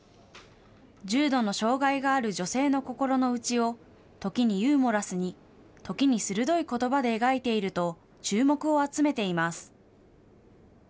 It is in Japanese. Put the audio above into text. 重度の障害がある女性の心のうちを、時にユーモラスに、時に鋭いことばで描いていると、注目を集めています。